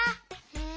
へえ。